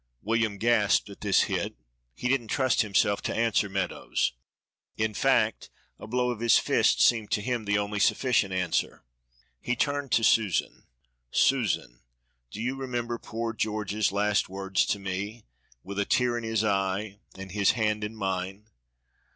William gasped at this hit; he didn't trust himself to answer Meadows; in fact, a blow of his fist seemed to him the only sufficient answer he turned to Susan. "Susan, do you remember poor George's last words to me? with a tear in his eye and his hand in mine.